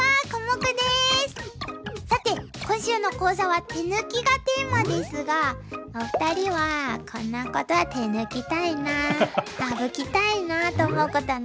さて今週の講座は手抜きがテーマですがお二人は「こんなことは手抜きたいな」「省きたいな」と思うことは何ですか？